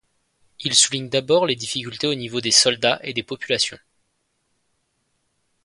Il souligne d'abord les difficultés au niveau des soldats et des populations.